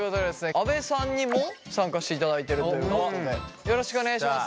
阿部さんにも参加していただいてるということでよろしくお願いします。